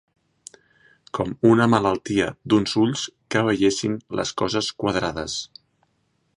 Com una malaltia d'uns ulls que veiessin les coses quadrades.